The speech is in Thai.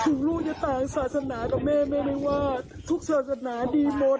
ถึงลูกจะต่างศาสนากับแม่แม่ไม่ว่าทุกศาสนาดีหมด